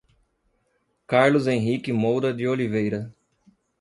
Carlos Henrique Moura de Oliveira